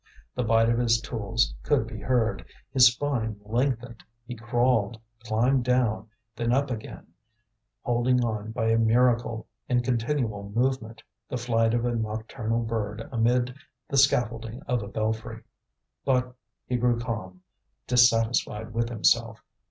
The bite of his tools could be heard, his spine lengthened, he crawled, climbed down, then up again, holding on by a miracle, in continual movement, the flight of a nocturnal bird amid the scaffolding of a belfry. But he grew calm, dissatisfied with himself.